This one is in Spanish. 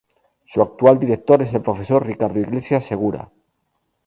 Su actual director es el Profesor Ricardo Iglesias Segura.